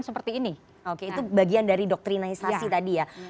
jadi ini itu bagian dari doktrinasi tadi ya